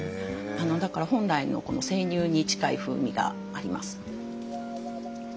だから本来の生乳に近い風味があります。